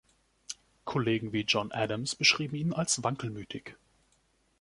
Kollegen wie John Adams beschrieben ihn als wankelmütig.